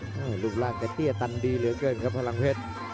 รูปร่างจะเตี้ยตันดีเหลือเกินครับพลังเพชร